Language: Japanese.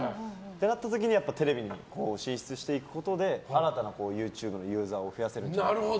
そうなった時にテレビに進出することで新たなＹｏｕＴｕｂｅのユーザーを増やせるんじゃないかと。